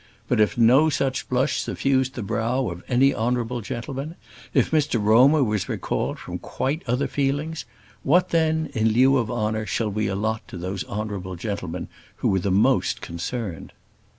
But if no such blush suffused the brow of any honourable gentleman; if Mr Romer was recalled from quite other feelings what then in lieu of honour shall we allot to those honourable gentlemen who were most concerned?